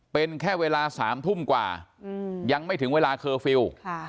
เป็นแค่เวลา๓ทุ่มกว่ายังไม่ถึงเวลาเคอร์ฟิลล์